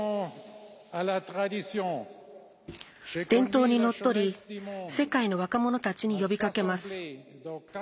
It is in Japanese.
伝統にのっとり世界の若者たちに呼びかけます。